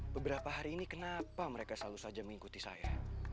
beberapa hari ini kenapa mereka selalu saja mengikuti saya